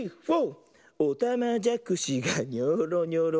「おたまじゃくしがニョーロニョロ」